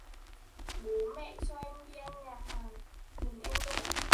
bố mẹ cho em đi ăn nhà hàng mừng em đỗ